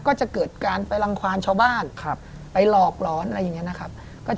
ก็จะเกิดการไปรังความชาวบ้านไปหลอกหลอนอะไรอย่างนี้นะครับ